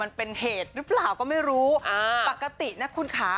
มันเป็นเหตุหรือเปล่าก็ไม่รู้อ่าปกตินะคุณค่ะ